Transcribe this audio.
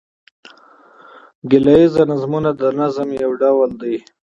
ګيله ييز نظمونه د نظم یو ډول دﺉ.